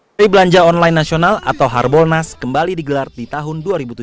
hari belanja online nasional atau harbolnas kembali digelar di tahun dua ribu tujuh belas